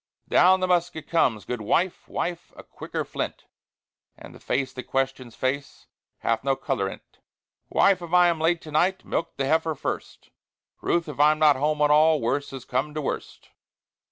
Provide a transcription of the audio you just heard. Down the musket comes. "Good wife, Wife, a quicker flint!" And the face that questions face Hath no color in 't. "Wife, if I am late to night, Milk the heifer first; Ruth, if I'm not home at all, Worse has come to worst."